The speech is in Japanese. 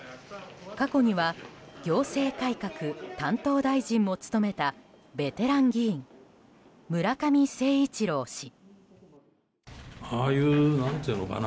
過去には行政改革担当大臣も務めたベテラン議員村上誠一郎氏。